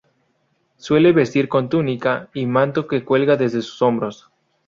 Suele vestir con túnica y manto que cuelga desde sus hombros.